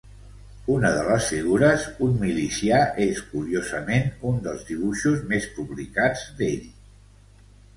Una de les figures, un milicià, és curiosament un dels dibuixos més publicats d'ell.